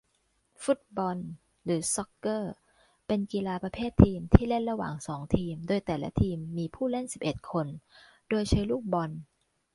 ฟุตบอล หรือ ซอกเกอร์ เป็นกีฬาประเภททีมที่เล่นระหว่างสองทีมโดยแต่ละทีมมีผู้เล่นสิบเอ็ดคน โดยใช้ลูกบอล